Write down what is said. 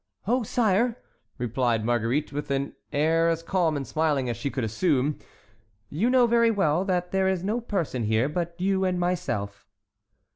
"Oh, sire," replied Marguerite, with an air as calm and smiling as she could assume, "you know very well that there is no person here but you and myself."